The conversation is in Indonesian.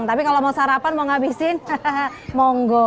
tapi kalau mau sarapan mau ngabisin monggo